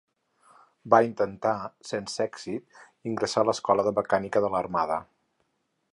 Va intentar, sense èxit, ingressar a l'Escola de Mecànica de l'Armada.